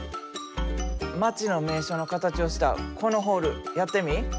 街の名所の形をしたこのホールやってみ。